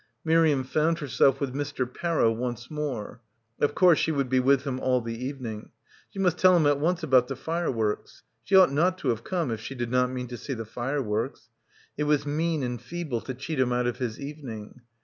Miriam found herself with Mr. Parrow once more. Of course she would be with him all the evening. She must tell him at once about the fireworks. She ought not to have come, if she did not mean to see the fireworks. It was mean and feeble to cheat him out of his evening.